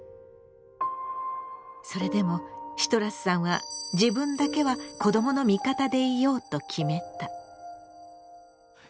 それでもシトラスさんは自分だけは子どもの味方でいようと決めた。